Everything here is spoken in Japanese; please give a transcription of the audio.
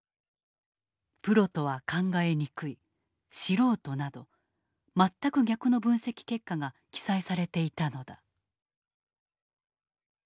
「プロとは考えにくい」「素人」など全く逆の分析結果が記載されていたのだ。